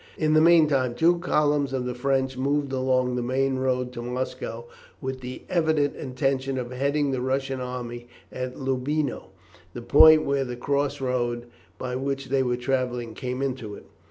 In the meantime two columns of the French moved along the main road to Moscow with the evident intention of heading the Russian army at Loubino, the point where the cross road by which they were travelling came into it.